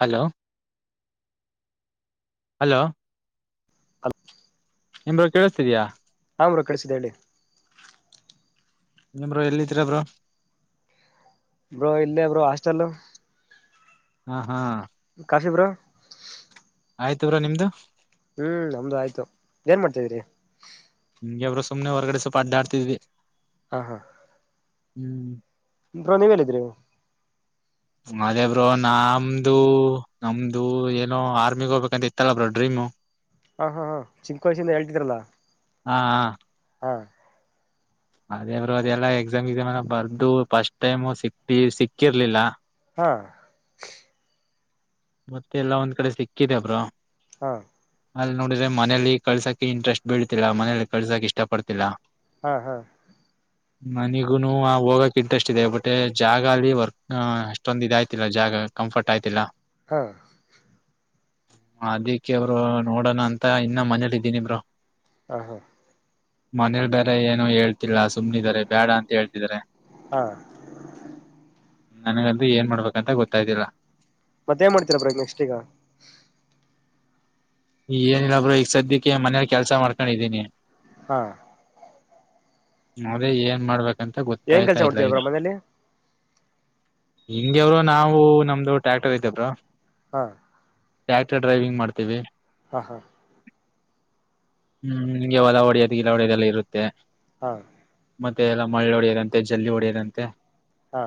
Hello hello [inaudible] ಹ [inaudible] ನಿಮ ಕೇಳಿಸ್ತಿದಯಾ [inaudible] ನಾಮ್ರ ಕಡಿಸಿದಿ [inaudible] ನಿರು ಎಲ್ಲಿದರ ಬ್ರೋ [inaudible] ಬ್ರೋ ಇಲ್ಲೇ ಬ್ರೋ ಹಾಸ್ಟೆಲ್ [inaudible] ಹಾ ಹಾ [inaudible] ಕಾಶಿಪುರ [inaudible] ಆಯ್ತುವ್ರಾ ನಿಮ್ದು [inaudible] ಹ್ಮ್ ನಮ್ದು ಆಯ್ತು ಏನ್ ಮಾಡ್ತಿದರಿ [inaudible] ನಿಂಗೆಬ್ರು ಸುಮ್ಮನೆ ಹೊಗಡೆ ಸ್ವಪ ಅಡ್ಡಾಡ್ತಿದ್ವಿ [inaudible] ಹ ಹಾ [inaudible] ಹ್ಮ್ [inaudible] ಇರು ನೀವಲ್ಲಿದ್ರಿ [inaudible] ಅದೇ ಬ್ರೋ ನಮ್ದು ನಮ್ದು ಏನೋ ಆರ್ಮಿ ಹೋಗ್ಬೇಕಂತ ಇತ್ತಲ್ಲ ಬ್ರೋ ಡ್ರೀಮ್ [inaudible] ಹ [inaudible] ಹಾ ಹಾ ಹಾ ಚಿಕ್ಕ ವಯಸ್ಸಿಂದ ಹೇಳ್ತಿದ್ರಲ್ಲಾ [inaudible] ಹಾ ಹ [inaudible] ಹಾ [inaudible] ಅದೇ ಬರುೋ ಅದೆಲ್ಲಾ ಎಕ್ಸಾಮ್ ಎಕ್ಸಾಮ್ ಎಲ್ಲ ಬರ್ದು ಫಸ್ಟ್ ಟೈಮ್ ಸಿಕ್ ಸಿಕ್ಕಿರ್ಲಿಲ್ಲ [inaudible] ಹಾ ಮತ್ತೆ ಎಲ್ಲಾ ಒಂದ್ ಕಡೆ ಸಿಕ್ಕಿದೆ ಬ್ರೋ ಹಾ ಅಲ್ಲಿ ನೋಡಿದ್ರೆ ಮನಲಿ ಕಳ್ಸಕ ಇಂಟ್ರೆಸ್ಟ್ ಬೀಳ್ತಿಲ್ಲ ಮನೇಲಿ ಕಳ್ಸಕ್ ಇಷ್ಟ ಪಡ್ತಿಲ್ಲಾ ಹಾ ಹಾ ಮನಿಗು ಹೋಗಕ್ ಇಂಟ್ರೆಸ್ಟ್ ಇದೆ ಬಟ್ೆ ಜಾಗ ಅಲ್ಲಿ ವರ್ಕ್ ಅಷ್ಟೊಂದ ಇದಾಯ್ತಿಲ್ಲ ಜಾಗ ಕಂಫರ್ಟ್ ಆಯ್ತಿಾ ಹಾ ಅದಿಕ್ಕೆ ಅವರು ನೋಡೋಣ ಅಂತ ಇನ್ನ ಮನೇಲಿಿದ್ದೀನಿಬ್ರು ಹ ಹಾ ಮನೇಲ್ ಬೇರೆ ಏನು ಹೇಳ್ ಗತ್ತಳ ಸುಮ್ಮ್ನಿದ್ದಾರೆ ಬೇಡ ಅಂತ ಹೇಳ್ತಿದಿದ್ದಾರೆ ಹಾ ನನಗಲ್್ದು ಏನ್ ಮಾಡ್ಬೇಕಂತ ಗೊತ್ತಾಯ್ದಿಲ್ಲ ಮತ್ತೆೇಏನ್ ಮಾಡ್ತೀರಾ ಬ್ರೋ ಇಗ ನೆಕ್ಸ್ಟ್ ಈಗ ಏನಿಲ್ಲ ಬ್ರೋ ಈಗ ಸದ್ಯಕ್ಕೆ ಮನೇಲಿ ಕೆಲ್ಸ ಮಾಡ್ಕೊಂಡಿದ್ದೀನಿ ಹಾ ಮದೇ ಏನ್ ಮಾಡ್ಬೇಕಂತ ಏನ್ ಗೊತ್ತಾಯ್ತಾ ಕೆಲ್ಸ ಇಲ್ಲ ಮಾಡ್ತೀರ ಈಗ ಬ್ರೋ ಮನೇಲಿ ಹಿಂಗೇ ಬ್ರೋ ನಾವು ನಮ್ದು ಟ್ರ್ಯಾಕ್ಟರ್ ಇದ್ದೆ ಬ್ರೋ ಹಾ ಟ್ಯಾಕ್ಟರ್ ಡ್ರೈವಿಂಗ್ ಮಾಡ್ತೀವಿ ಹಾ ಹಾ ಹ್ಮ್ ನಿಮ್ಗೆ ಹೊಲ ಹೊಡೆಯೋದು ಗಿಲ ಹೊಡೆಯೋದೆಲ್ಲ ಇರುತ್ತೆ ಹ ಮತ್ತೆ ಎಲ್ಲ ಮಳ್ಳೆ ಹೊಡೆಯರಂತೆ ಜಲ್ಲಿ ಹೊಡೆಯದಂತೆ ಹಾ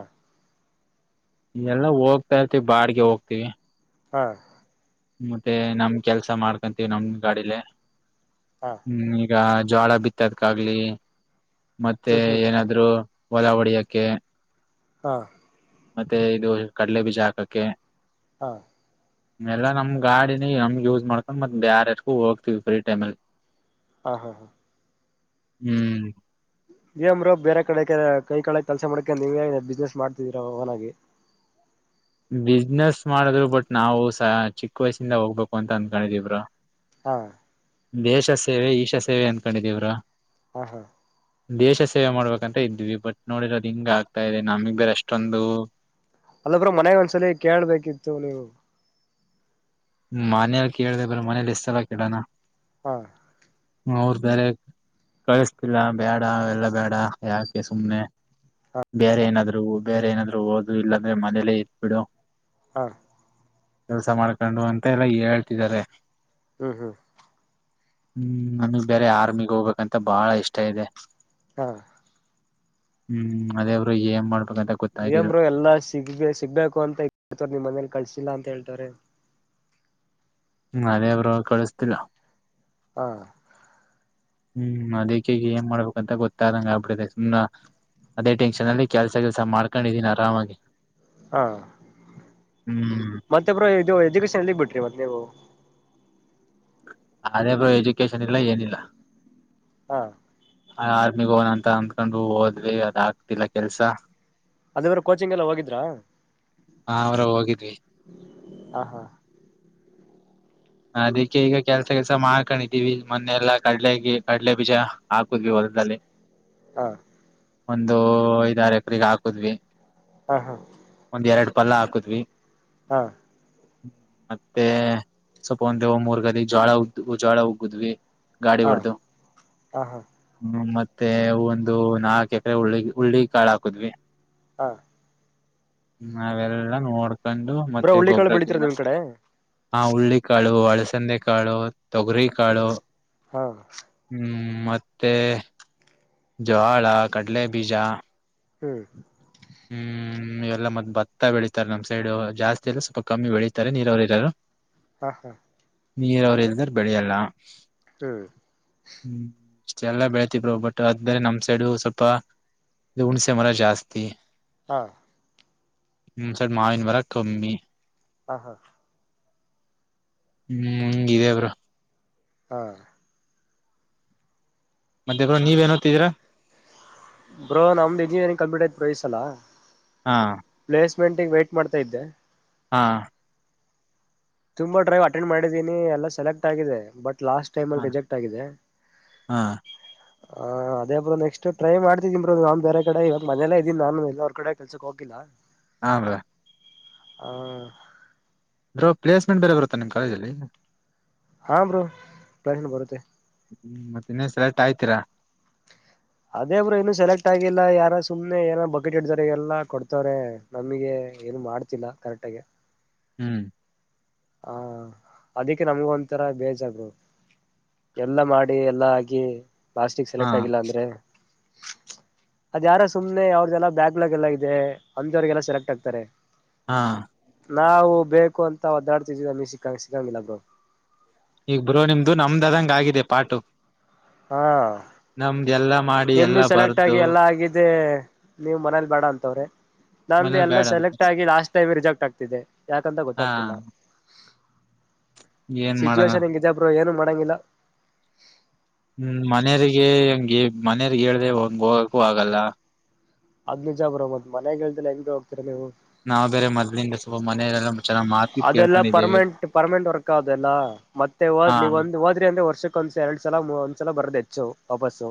ಎಲ್ಲ ಹೋಗ್ತಾ ಇರ್ತಿವಿ ಬಾಡಗೆ ಹೋಗ್ತಿವಿ ಹಾ ಮತ್ತೆ ನಮ ಕೆಲ್ಸ ಮಾಡ್ಕೊಂತೀವಿ ನಮ ಗಾಡಿಲೆ ಹಾ ಹ್ಮ್ ಈಗ ಜೋಳ ಬಿತ್ತದಕ ಆಾಗ್ಲಿ ಮತ್ತೆ ಹ್ಮ್ ಹ್ಮ್ ಏನಾದ್ರು ಹೊಲ ಹೊಡಿಯಕ್ಕೆ ಹಾ ಮತ್ತೆ ಇದು ಕಡಲೆ ಬೀಜ ಹಾಕಕ್ಕೆ ಹಾ ಎಲ್ಲಾ ನಮ್ ಗಾಡಿನ ನಮ್ ಯೂಸ್ ಮಾಡ್ಕೊಂಡ್ ಮತ್ ಬ್ಯಾರ್ ಎಷ್ಟಗು ಹೋಗ್ತಿವಿ ಫ್ರೀ ಟೈಮ ಅಲ್ಲಿ ಹಾ ಹಾ ಹಾ ಹ್ಮ್ ಏನ್ ಬ್ರೋ ಬೇರೆ ಕಡೆ ಕೈ ಕಡೆ ಕೆಲಸ ಮಾಡಕ ನೀವೇ ಬಿಸ್ನೆಸ್ ಮಾಡ್ತಿದೀರ ಓನ್ನಾಗಿ ಬಿಸ್ನೆಸ್ ಮಾಡಿದ್ರು ಬಟ್ ನಾವು ಸ ಚಿಕ್ಕ ವಯಸ್ಸಿಂದ ಹೋಗ್ಬೇಕು ಅಂತ ಅಂದಕೊಂಡಿದೀಿವಿ ಬ್ರೋ ಹಾ ದೇಶ ಸೇವೆ ಈಶ ಸೇವೆ ಅನ್ಕೊಂಡಿದೀವರು ಹ್ಮ ಹಾ ದೇಶ ಸೇವೆ ಮಾಡ್ಬೇಕಂತ ಇದ್ವಿ ಬಟ್ ನೋಡಿರ ಅದು್ ಹಿಂಗ ಆಗ್ತಾ ಇದೆ ನಮಗ್ ಬೇರೆ ಅಷ್ಟೊಂದು ಅಲ್ಲಬ್್ರ ಮನೆಗ್ ಒಂದ್ಸಲಿ ಕೇಳ್ಬೇಕಿತ್ತು ನೀವು ಮನೇಲಿ ಕೇಳಿದೆ ಬ್ರ ಮನೇಲಿ ಎಷ್ಟಲ್ಲ ಕೇಳೋಣ ಹಾ ಅವ್ರ ಬೇರೆ ಕಳಸ್್ತಿಲ್ಲ ಬೇಡ ಅವ ಎಲ್ಲ ಬೇಡ ಯಾಕೆ ಸುಮ್ಮ್ನೆ ಬೇರೆ ಏನಾದ್ರು ಬೇರೆ ಏನಾದ್ರು ಓದು ಇಲ್ಲಾಂದ್ರೆ ಮನೇಲೆೇ ಇರ್ಬಿಡು ಹ ಕೆಲ್ಸ ಮಾಡ್ಕೊಂಡು ಅಂತ ಎಲ್ಲಾ ಹೇಳ್ತಿದಿದ್ದಾರೆ ಹ್ಮ್ ಹ್ಮ್ ಹ್ಮ್ ನಮಗ್ ಬೇರೆ ಆರ್ಮಿಿಗೆ ಹೋಗ್ಕ್ಂತ ಬಹಳ ಇಷ್ಟ ಇದೆ ಹಾ ಹ್ಮ್ ಅದೇವರು ಏನ್ ಮಾಡ್ ನೀಮರು ಎಲ್ಲಾ ಸಿಗ್ಬೇಕ ಸಿಗ್ಬೇಕು ಅಂತ ಹೇಳ್ತವ್ರ ನಿಮ್ಮ್ ಮನೇಲಿ ಕಳ್ಸಿಲ್ಲಾ ಅಂತ ಹೇಳ್ತವ್ರ ್ಮ ಅದೇ ಬರು ಕಳಿಸ್ತಿಲ್ಲ ಹಾ ಹ್ಮ್ ಅದಕ್ಕೆ ಏನ್ ಮಾಡ್ಬೇಕುಂತ ಗೊತ್ತಾದಂಗ ಆಗ್ಬಿಡಿದೆ ಸುಮ್ ಅದೇ ಟೆನ್ಷನ್ ಅಲ್ಲಿ ಕೆಲ್ಸ ಕೆಲ್ಸ ಮಾಡ್ಕೊಂಡಿದೀನಿ ಆರಾಮಾಗಿ ಹಾ ಹ್ಮ್ ಮತ್ತೊಬ್ಬರು ಇದು ಎಜುಕೇಶನ್ಲ್ಲಿಗ್ ಬಿಿಟ್ರಿ ಮತ್ತೆ ನೀವು ಅದೇ ಬ್ರ ಎಜುಕೇಶನ್ ಇಲ್ಲ ಏನಿಲ್ಲ ಹಾ ಆರ್ಮಿಗ್ ಹೋನಂತ ಅಂದಕೊಂಡು ಹೋದ್ವಿ ಅದ ಆಗ್ತಿಲ್ಲ ಕೆಲ್ಸ ಅದವ್ರ ಕೋಚಿಂಗ್ ಎಲ್ಲ ಹೋಗಿದ್ರಾ ಹಾ ಅವರ ಹೋಗಿದ್ವಿ ಹ ಹಾ ಅದಕ್ಕೆ ಈಗ ಕೆಲ್ಸ ಕೆಸ ಮಾಡ್ಕೊಂಡಿದೀವಿ ಮೊನ್ನೆಲ್ಲ ಕಡಲೆಗೆ ಕಡ್ಲೆ ಬೀಜ ಹಾಕುದ್ವಿ ಹೊಲ್ದಲ್ಲಿ ಹಾ ಒಂದು ಐದಾರ ಎಕರೆಗೆ ಹಾಕುದ್ವಿ ಹಾ ಹಾ ಒಂದ್ ಎರಡ್ ಪಲ್ಲ ಹಾಕತ್್ವಿ ಹಾ ಹ್ಮ ಮತ್ತೆ ಸ್ವಲ್ಪ ಒಂದ ದೇವ ಮೂರ್ಗಾಲ ಜಳ ಉ್ದ ಜೋಳ ಉಗುದ್ವಿ ಗಾಡಿ ಹಾ ವರ್ದು ಹಾ ಹಾ ಹಾ ಹ್ಮ ಮತ್ತ ಮತ್ತೆ ಒಂದು ನಾಲ್ಕ ಎಕರೆ ಉುಳ್ಳಿ ಉರುಳ್ಳಿ ಕಾಳ ಹಾಕುದ್ವಿ ಹಾ ನಾವೆಲ್ಲ ನೋಡ್ಕೊಂಡು ಬ್ರೋ ಮತ್ತೆ ಹುಳ್ಳಿಕಾಳು ಗೊಬ್ಬರ ಬೆಳಿತೀರ ಗ ನಿಮ್ ಕಡೆ ಆ ಹುಳ್ಳಿ ಕಾಳು ಒಳಸಂದೆ ಕಾಳು ತೊಗರಿ ಕಾಳು ಹಾ ಹ್ಮ್ ಮತ್ತೆ ಜ್ೋವಾಳ ಕಡ್ಲೆ ಬೀಜ ಹ್ಮ್ ಹ್ಮ್ ಹ್ಮ್ ಇ ಎಲ್ಲ ಮ ಭತ್ತ ಬೆಳೀಿತಾರೆ ನಮ್ ಸೈಡ್ ಜಾಸ್ತಿ ಎಲ್ಲ ಸ್ವಲ್ಪ ಕಮ್ಮಿ ಬೆಳೀಿತಾರೆ ನೀರವರು ಇರೋರು ಹಾ ಹಾ ನೀರ ಅವ್ರ ಇಲ್ದ್ರ ಬೆಳೆಯಲ್ಲ ಹ್ಮ್ ಇಷ್ಟ ಎಲ್ಲ ಬೆಳತಿದರು ಬಟ್ ಅದ್ಮೇಲೆ ನಮ್ ಸೈಡು ಸ್ವಲ್ಪ ಹುಣ್ಸೆ ಮರ ಜಾಸ್ತಿ ಹಾ ಹ್ಮ್ ಸರಿ ಮಾವಿನ ವರ ಕಮ್ಮಿ ಹ ಹಾ ಹ್ಮ್ ಹಂಗ ಅವರು ಹಾ ಮತ್ತೆ ಬ್ರೋ ಹ್ಮ್ ನೀವೇನ್ ಓದ್ತಿದೀರಾ ಬ್ರೋ ನಮ್ದು ಇಂಜಿನಿಯರಿಂಗ್ ಕಂಪೀಟ್ ಆಐತ್ ಬಯಸ ಅಲ್ಲ ಹಾ ಗಂಟೆಗೆ ವೈಟ್ ಮಾಡ್ತಾ ಇದ್ದೆ ಹಾ ತುಂಬಾ ಡ್ರೈವ್ ಅಟೆಂಡ್ ಮಾಡಿದ್ದೀನಿ ಎಲ್ಲಾ ಸೆಲೆಕ್ಟ್ ಆಗಿದೆ ಬಟ್ ಲಾಸ್ಟ್ ಟೈಮ್ ಹಾ ಅಲ್ಲಿ ರಿಜೆಕ್ಟ್ ಆಗಿದೆ ಹಾ ಹ ಅದೇ ಬ್ರ ನೆಕ್ಸ್ಟ್ ಟ್ರೈ ಮಾಡ್ತಿದೀಿರು ನಾನ್ ಬೇರೆ ಕಡೆ ಇವತ್ ಮನೇಲ್ಲ ಇದೀನ ನಾನು ಎಲ್ಲರ ಕಡೆ ಕೆಲ್ಸಕ್ ಹೋಗಿಲ್ಲ ಹಮ್ರಾ ಹ ಬ್ರೊ ಪ್ಲೇಸ್ಮೆಂಟ್ ಬೇರೆ ಬರುತ್ತೆ ನಿಮ್ ಕಾಲೇಜಲ್ಲಿ ಹ ಬ್ರೊ ಪಶನ್ [unintelligible] ಬರುತ್ತೆ ಹ್ಮ್ ಮತ್ತೆ ಇನ್ನೇನ್ ಸೆಲೆಕ್ಟ್ ಆಯ್ತೀರಾ ಅದೇ ಬ್ರೊ ಇನ್ನು ಸೆಲೆಕ್ಟ್ ಆಗಿಲ್ಲ ಯಾರೊ ಸುಮ್ನೆ ಏನೊ ಬಕೆಟ್ ಇಡ್ದೋರ್ಗೆಲ್ಲಾ ಕೊಡ್ತವ್ರೆ ನಮ್ಗೆ ಏನು ಮಾಡ್ತಿಲ್ಲ ಕರೆಕ್ಟಾಗಿ ಹ್ಮ್ ಹಾ ಅದಿಕ್ಕೆ ನಮ್ಗ ಒಂಥರ ಬೇಜಾರ್ ಬ್ರೊ ಎಲ್ಲಾ ಮಾಡಿ ಎಲ್ಲಾ ಆಗಿ ಲಾಸ್ಟಿಗ್ ಹಾ ಸೆಲೆಕ್ಟ್ ಆಗಿಲ್ಲ ಅಂದ್ರೆ ಅದ ಯಾರೋ ಸುಮ್ನೆ ಅವ್ರಗೆಲ್ಲ ಬ್ಯಾಕ್ಲಾಗ್ ಎಲ್ಲಾ ಇದೆ ಅಂತವ್ರಿಗೆಲ್ಲ ಸೆಲೆಕ್ಟ್ ಆಗ್ತಾರೆ ಹಾ ನಾವು ಬೇಕು ಅಂತ ಒದ್ದಾಡ್ತಿದ್ದೀರ ನೀ ಸಿಕ್ಕಾಂಗ ಸಿಕ್ಕಂಗಿಲ್ಲ ಬ್ರೊ ಈಗ್ ಬ್ರೋ ನಿಮ್ದು ನಮ್ದದಂಗ ಆಗಿದೆ ಪಾಟು ಹಾ ನಮ್ ನಿಮ್ದು ಸೆಲೆಕ್ಟ್ ಆಗಿ ಎಲ್ಲಾ ಆಗಿದ್ದೆ ನೀವ್ ಮನೇಲಿ ಬೇಡ ಅಂತವ್ರೆ ನಮ್ದು ಮನೇಲಿ ಎಲ್ಲ ಬೇಡ ಸೆಲೆಕ್ಟ್ ಅಂತಾರೆ ಆಗಿ ಲಾಸ್ಟ್ ಟೈಮ್ ರಿಜೆಕ್ಟ್ ಆಗ್ತಿದ್ದೆ ಯಾಕಂತ ಗೊತ್ತಾಗ್ತಿಲ್ಲ ಹಾ ಏನ್ ಮಾಡಣ ಸಿಚುವೇಷನ್ ಇಂಗಿದೆ ಬ್ರೊ ಏನು ಮಡಂಗಿಲ್ಲ ಹ್ಮ್ ಮನೆಯರಿಗೆ ಹೆಂಗೆ ಮನೆಯರ್ಗ ಹೇಳ್ದೆ ಹಂಗ ಹೋಗಕ್ಕು ಆಗಲ್ಲ ಹದ್ ನಿಜ ಬ್ರ ಮತ್ ಮನೆಗ್ಹೇಲ್ದಲೆ ಹೆಂಗು ಹೋಗ್ತೀರಾ ನೀವು ನಾವು ಬೇರೆ ಮದ್ಲಿಂದು [unintelligible] ಅದೆಲ್ಲ ಪರ್ಮನೆಂಟ್ ಪರ್ಮನೆಂಟ್ ವರ್ಕ್ ಆದೆಲ್ಲಾ ಮತ್ತೆ ಹಾ ಹೋದ್ ನೀವ್ ಒಂದು ಹೋದ್ರಿ ಅಂದ್ರೆ ವರ್ಷಕ್ಕೆ ಒಂದ್ಸ ಎರಡ್ ಸಲ ಮೂ ಒಂದ್ಸಲ ಬರದ ಹೆಚ್ಚು ವಾಪಸ್ಸು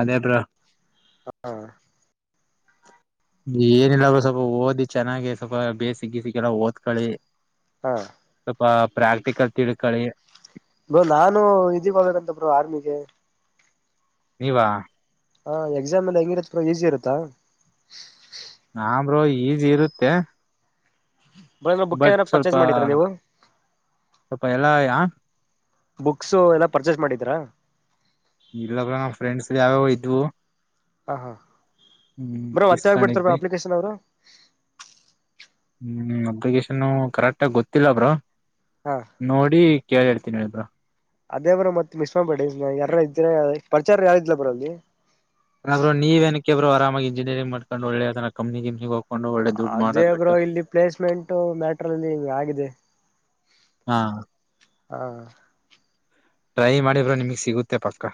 ಅದೇ ಬ್ರೊ ಹ ಏನಿಲ್ಲ ಬ್ರೊ ಸ್ವಲ್ಪ ಓದಿ ಚೆನ್ನಾಗಿ ಸ್ವಲ್ಪ ಬೇಸಿಕ್ ಗೀಸಿಕ್ ಎಲ್ಲ ಓದ್ಕಳಿ ಹಾ ಪ್ರಾಕ್ಟಿಕಲ್ ತಿಳ್ಕಲಿ ಬ್ರೊ ನಾನು ಇದಿ ಹೋಗಬೇಕಂತ ಬ್ರೊ ಆರ್ಮಿಗೆ ನೀವಾ ಹಾ ಎಕ್ಸಾಮ್ ಎಲ್ಲಿ ಹೆಂಗಿರುತ್ತ ಬ್ರೊ ಈಸಿ ಇರುತ್ತಾ ಬ್ರೊ ಈಜಿ ಇರುತ್ತೆ ಬ್ರೋ ಏನಾರ ಬುಕ್ ಬಟ್ ಏನಾರ ಸ್ವಲ್ಪ ಪರ್ಚೇಸ್ ಮಾಡಿದ್ರಾ ನೀವು ಸ್ವಲ್ಪ ಎಲ್ಲ ಯಾ ಬುಕ್ಸು ಎಲ್ಲ ಪರ್ಚೇಸ್ ಮಾಡಿದ್ರಾ ಇಲ್ಲಾಗ ಬ್ರೊ ನಮ್ಮ್ ಫ್ರೆಂಡ್ಸ್ ಯಾವ್ಯಾವ ಇದ್ವು ಹ ಹಾ ಹ್ಮ್ ಬ್ರೊ ಮತ್ತೆ ಯಾವಾಗ್ಬಿಡ್ತಾರ ಬ್ರೊ ಇಸ್ಕೊಂಡಿದ್ವಿ ಅಪ್ಲಿಕೇಶನ್ ಅವರು ಹ್ಮ್ ಅಪ್ಲಿಕೇಶನ್ ಕರೆಕ್ಟ್ ಆಗ ಗೊತ್ತಿಲ್ಲ ಬ್ರೊ ಹಾ ನೋಡಿ ಕೇಳಿೇಳ್ತಿ ತಿಿನದ [unintelligible] ಅದೇ ಬ್ರೊ ಮತ್ ಮಿಸ್ಮಾಡ್ಬೇಡಿ ಯಾರ ಇದ್ದರೆ ಪ್ರಚಾರ ಯಾರಿದ್ಲ ಬ್ರ ಅಲ್ಲಿ [unintelligible] ಅಲ್ಲ ಬ್ರೊ ನೀವ್ ಏನಿಕ್ಕೆ ಬ್ರೊ ಆರಾಮಾಗಿ ಇಂಜಿನಿಯರಿಂಗ ಮಾಡ್ಕೊಂಡು ಒಳ್ಳೆದನ ಕಮ್ಪನಿಗಿಮ್ಪನಿಗೆ ಹೋಗ ಅದೇ ಬ್ರೊ ಇಲ್ಲಿ ಪ್ಲೇಸ್ಮೆಂಟ್ ಮ್ಯಾಟ್ರ ಅಲ್ಲಿ ಆಗಿದೆ ಹಾ ಹಾ ಟ್ರೈ ಮಾಡಿ ಬ್ರೊ ನಿಮಗ್ ಸಿಗುತ್ತೆ ಪಕ್ಕ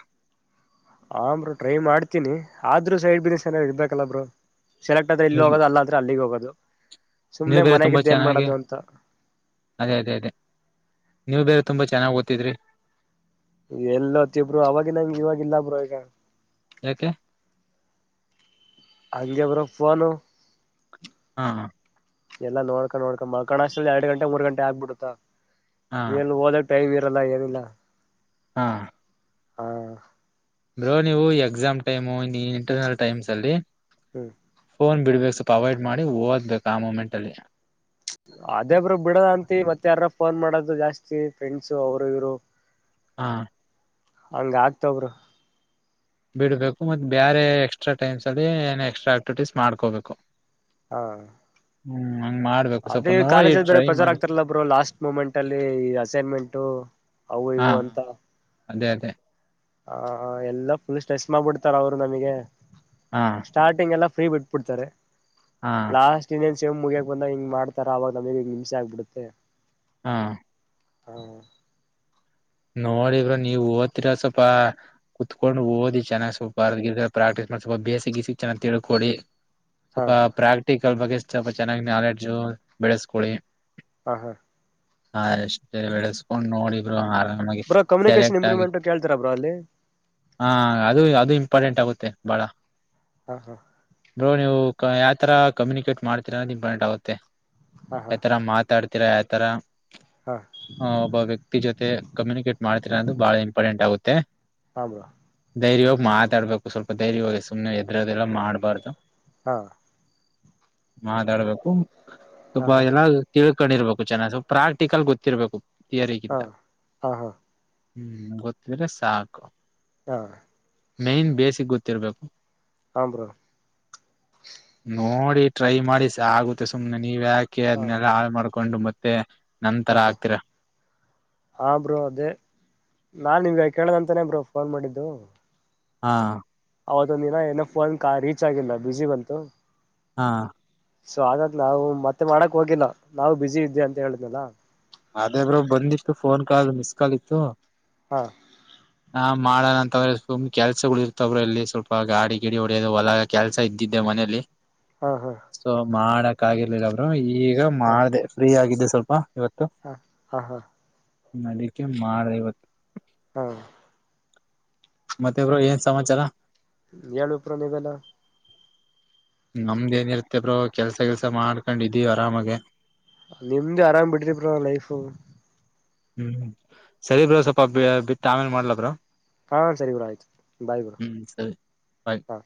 ಹ ಬ್ರೊ ಟ್ರೈ ಮಾಡ್ತೀನಿ ಆದ್ರೂ ಸೈಡ್ ಬಿಸ್ನೆಸ್ ಚನಾಗ್ [unintelligible] ಇರ್ಬೇಕಲ್ಲ ಬ್ರರು ಸೆಲೆಕ್ಟ್ ಆದ್ರೆ ಇಲ್ಲಿ ನೀವ್ ಹೋಗದು ಅಲ್ಲ ಅಂದ್ರೆ ಅಲ್ಲಿಗೆ ಹೋಗೋದು ನೀವ್ ಸುಮ್ನೆ ಬೇರೆ ತುಂಬಾ ಮನೆಗಿದ್ದ ಏನ್ ಚೆನ್ನಾಗಿ ಮಾಡೋದು ಅಂತ ಅದೇ ಅದೇ ಅದೇ ನೀವು ಬೇರೆ ತುಂಬಾ ಚೆನ್ನಾಗ ಓತ್ತಿದ್ರಿ ಎಲ್ಲೋತ್ತೀವ್ ಬ್ರೊ ಅವಾಗಿನಂಗಿವಾಗ್ ಇಲ್ಲ ಬ್ರೊ ಈಗ ಯಾಕೆ ಹಂಗೆ ಬರ ಪನು ಹಾ ಹಾ ಎಲ್ಲಾ ನೋಡ್ಕಾ ನೋಡ್ಕ ಮಕಣಷ್ಟ ಎರಡು ಗಂಟೆ ಮೂರ್ ಗಂಟೆ ಆಗ್ಬಿಡುತ್ತಾ ಹಾ ನೀ ಹೋದ ಟೈಮ್ ಇರಲ ಏನಿಲ್ಲ ಹಾ ಹಾ ಬ್ರೋ ನೀವು ಎಕ್ಸಾಮ್ ಟೈಮು ಇಂಟರ್ನಲ್ ಟೈಮ್ಸ್ ಅಲ್ಲಿ ಹ್ಮ್ ಫೋನ್ ಬಿಡ್ಬೇಕು ಸ್ವಲ್ಪ ಅವೈ್ಡ್ ಮಾಡಿ ಓದ್ಬೇಕು ಆ ಮೂೊಮೆಂಟ್ ಅಲ್ಲಿ ಅದೇಬರು ಬಿಡದ ಅಂತಿ ಮತ್ತೆ ಯಾರ ಫೋನ್ ಮಾಡೋದು ಜಾಸ್ತಿ ಫ್ರೆಂಡ್ಸು ಅವರು ಇವರು ಹಾ ಹಂಗ ಆಗ್ತವ ಬ್ರೋ ಬಿಡ್ಬೇಕು ಮತ್ತ ಬೇರೆ ಎಕ್ಸ್ಟ್ರಾ ಟೈಮ್ಸ್ ಅಲ್ಲಿ ಏ ಎಕ್ಸ್ಟ್ರಾ ಆಕ್ಟಿವಿಟೀಸ್ ಮಾಡ್ಕೋಬೇಕು ಹಾ ಹ್ಮ್ ಹಂಗ್ ಮಾಡ್ಬೇಕು ಸ್ವಲ್ಪ ಅದೇ ನೋಡಿ ಕಾಲೇಜಲ್ಲಿ ಬೇರೆ ಟ್ರೈ ಪ್ರೆಷರ್ ಮಾಡಿ ಹಾಕ್ತಾರಲಾ ಬ್ರೋ ಲಾಸ್ಟ್ ಮೂಮೆಂಟ್ ಅಲ್ಲಿ ಅಸೈನ್ಮೆಂಟ ಅವು ಹಾ ಇವು ಅಂತ ಅದೇ ಅದೇ ಹ ಎಲ್ಲ ಫುಲ್ ಸ್ಟ್ರೆಸ್ ಮಾಡ್ಬಿಡ್ತಾರ ಅವರು ನಮಗೆ ಹಾ ಸ್ಟಾರ್ಟಿಂಗ್ ಎಲ್ಲ ಫ್ರೀ ಬಿಟ್ಟ ಬಿಡ್ತಾರೆ ಹಾ ಲಾಸ್ಟ್ ಇನ್ನೇನ್ ಸೇಮ್ ಮುಗಿಯಕ ಬಂದ ಹಿಂಗ ಮಾಡ್ತಾರ ಆವಾಗ ನಮೇಲೆ ಈಗ ನಿಮ್ಸ ಆಗ್ಬಿಡುತ್ತೆ ಹಾ ಹಾ ನೋಡಿ ಬ್ರೋ ನೀವು ಓದ್ತಿರ ಸ್ವಲ್ಪ ಕುತ್ಕೊಂಡು ಓದಿ ಚೆನ್ನಾಗಿ ಸ್ವಲ್ಪ ಅದು ಗೀಡು ಪ್ರಾಕ್ಟೀಸ್ ಮಾಡಿ ಸ್ವಲ್ಪ ಬೇಸಿಕ್ ಗಿಸಿಕ್ ಚೆನ್ನಾಗಿ ತಿಳ್ಕೊಳ್ಳಿ ಸ್ವಲ್ಪ ಹಾ ಪ್ರಾಕ್ಟಿಕಲ್ ಬಗ್ಗೆ ಸ್ವಲ್ಪ ಚೆನ್ನಾಗಿ್ ನಾಲೆಡ್ಜು ಬೆಳೆಸ್ಕೊಳ್ಳಿ ಹ ಹಾ ಹಾ ಎಷ್ಟೇ ಬೆಳೆಸ್ಕೊಂಡ್ ನೋಡಿ ಬ್ರೋ ಆರಾಮ ನಮಗೆ ಬ್ರೋ ಕಮ್ಯುನಿಕೇಶನ್ ಸೆಲೆಕ್ಟ್ ಆಗಿ ಇಂಪ್ರೂವ್ಮೆಂಟ್ ಕೇಳ್ತೀರಾ ಬ್ರೋ ಅಲ್ಲಿ ಹ ಅದು ಅದು ಇಂಪಾರ್ಟೆಂಟ್ ಆಗುತ್ತೆ ಮತ್ತೆ ಬಾಳ ಹಾ ಹಾ ಬೋ ನೀವು ಯಾವ ತರ ಕಮ್ಯುನಿಕೇಟ್ ಮಾಡ್ತೀರ ಅಂದ ಇಂಪಾರ್ಟೆಂಟ್ ಆಗುತ್ತೆ ಹಾ ಯಾವತರ್ ಮಾತಾಡ್ತಿರ ಯಾವತರ್ ಹಾ ಹಾ ಆ ಒಬ್ಬ ವ್ಯಕ್ತಿ ಜೊತೆ ಕಮ್ಯುನಿಕೇಟ್ ಮಾಡ್ತೀರಾ ಅನ್ನದು ಬಹಳ ಇಂಪಾರ್ಟೆಂಟ್ ಆಗುತ್ತೆ ಹಾ ಬ್ರೋ ಧೈರ್ಯ ಹೋಗಿ ಮಾತಾಡ್ಬೇಕು ಸ್ವಲ್ಪ ದೈರ್ಯವಾಗಿ ಸುಮ್ಮನೆ ಹೆದರುವುದು ಎಲ್ಲಾ ಮಾಡ್ಬಾರ್ದು ಹಾ ಮಾತಾಡ್ಬೇಕು ಸ್ವಲ್ಪ ಹಾ ಹಾ ಎಲ್ಲಾ ತಿಳ ಕೊಂಡಿರ್ಬೇಕು ಚೆನ್ನಾಗಿ ಸ್ವಲ್ಪ ಪ್ರಾಕ್ಟಿಕಲ್ ಗೊತ್ತಿರ್ಬೇಕು ಥಿಯರಿಗಿಂತ ಹಹಾ ಹ್ಮ್ ಗೊತ್ತಿದ್ರೆ ಸಾಕು ಹಾ ಮೇನ್ ಬೇಸಿಕ್ ಗೊತ್ತಿರ್ಬೇಕು ಹ ಬ್ರೋ ನೋಡಿ ಟ್ರೈ ಮಾಡಿ ಆಗುತ್ತೆ ಸುಮ್ನೆ ನೀವ್ ಯಾಕೆ ಹಾ ಅದ್ನ್ನೆಲ್ಲ ಹಾಳ್ ಮಾಡ್ಕೋ ಕೊಂಡು ಮತ್ತೆ ನಂತರ ಹಾ ಹಾ ಹಾಕ್ತಿರ ಹಾ ಬ್ರೋ ಅದೇ ನಾನ್ ಕೇಳ್ದಂತಾನೇ ಬ್ರೋ ಫೋನ್ ಮಾಡಿದ್ದು ಹಾ ಅವತ್ತೊಂದ ದಿನ ಏನೋ ಫೋನ್ ರೀಚ್ ಆಗಿಲ್ಲ ಬಿಸಿ ಬಂತು ಹಾ ಸೊ ಹಾಗಾಗ ನಾವು ಮತ್ತೆ ಮಾಡಕ್ ಹೋಗಿಲ್ಲ ನಾವು ಬಿಸಿ ಇದೆ ಅಂತ ಹೇಳಿದ್ನಲ್ಲ ಅದೇ ಬ್ರೋ ಬಂದಿತ್ತು ಫೋನ್ ಕಾಲ್ ಮಿಸ್ ಕಾಲ್ ಇತ್ತು ಹಾ ಹಾ ಮಾಡೋಣ ಅಂತ ಸುಮ್ ಕೆಲ್ಸಗಳು ಇರ್ತವ್ರ ಇಲ್ಲಿ ಸ್ವಲ್ಪ ಗಾಡಿ ಗಿಡಿ ಹೊಡೆಯೋದು ಹೊಲಗ ಕೆಲ್ಸ ಇದ್ದಿದ್ದೆ ಮನೇಲಿ ಹಾ ಹಾ ಸೊ ಮಾಡಕ್ ಆಗಿರ್ಲಿಲ್ಲ ಬ್ರೋ ಈಗ ಮಾಡ್ದೆ ಫ್ರೀ ಆಗಿದ್ದೆ ಸ್ವಲ್ಪ ಇವತ್ತು ಹ ಹಾ ಹಾ ಅದಿಕೆ ಮಾಡ್ದೆ ಇವತ್ತು ಹ್ಮ ಮತ್ತೆ ಬ್ರೋ ಏನ್ ಸಮಾಚಾರ ಹೇಳ್ಬೇಕು ಬ್ರೋ ನೀವೆ ಎಲ್ಲಾ ನಮ್ದ ಏನಿರುತ್ತೆ ಬ್ರೋ ಕೆಲ್ಸ ಗಿಲ್ಸ ಮಾಡ್ಕೊಂಡಿದೀವಿ ಆರಾಮಾಗೆ ನಿಮ್ದು ಆರಾಮ್ ಬಿಡ್ರಿ ಬ್ರೋ ಲೈಫು ಹ್ಮ್ ಸರಿ ಬ್ರೋ ಸ್ವಲ್ಪ ಬಿಟ್ಟು ಆಮೇಲೆ ಮಾಡ್ಲ ಬ್ರೋ ಹಾ ಸರಿ ಬ್ರೋ ಆಯ್ತು ಬಾಯ್ ಬ್ರೋ ಹ್ಮ್ ಸರಿ ಬಾಯ್. ಹ